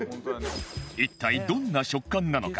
一体どんな食感なのか？